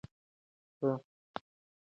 چې یو ډول ته یې لال مالټه وايي